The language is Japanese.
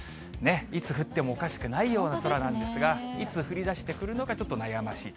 いつ降ってもおかしくないような空なんですが、いつ降りだしてくるのか、ちょっと悩ましい。